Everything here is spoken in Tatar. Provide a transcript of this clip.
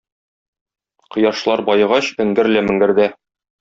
Кояшлар баегач, эңгер лә меңгердә.